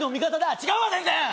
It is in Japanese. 違うわ全然！